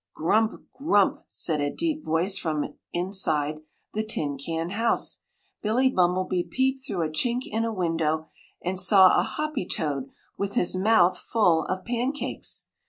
"GRUMP! GRUMP!" said a deep voice from inside the tin can house. Billy Bumblebee peeped through a chink in a window, and saw a hoppy toad with his mouth full of pancakes.